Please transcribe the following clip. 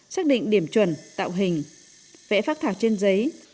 xác định điểm chuẩn tạo hình vẽ phát thảo trên giấy